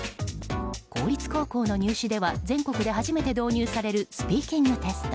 公立高校の入試では全国で初めて導入されるスピーキングテスト。